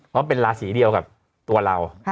เพราะเป็นราศีเดียวกับตัวเรา